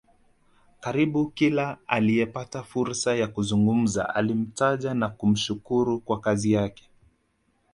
Karibu kila aliyepata fursa ya kuzungumza alimtaja na kumshukuru kwa kazi yake